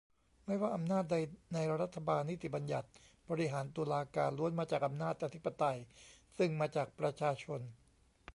ไม่ว่าอำนาจใดในรัฐบาล นิติบัญญัติ บริหาร ตุลาการ ล้วนมาจากอำนาจอธิปไตยซึ่งมาจากประชาชน